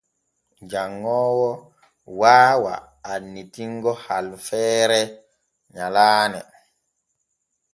Janŋoowo waawa annitingo harfeere nyalaane.